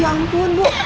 ya ampun bu